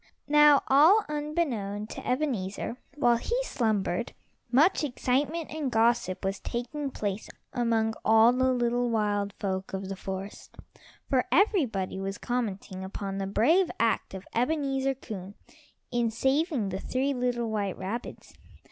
Now all unbeknown to Ebenezer, while he slumbered, much excitement and gossip was taking place among all the little wild folk of the forest, for everybody was commenting upon the brave act of Ebenezer Coon in saving the three little white rabbits.